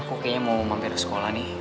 aku kayaknya mau mampir ke sekolah nih